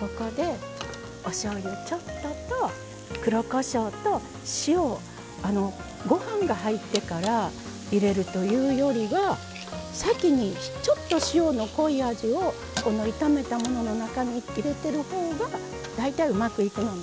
ここでおしょうゆちょっとと黒こしょうと塩をあのご飯が入ってから入れるというよりは先にちょっと塩の濃い味を炒めたものの中に入れてる方が大体うまくいくのね。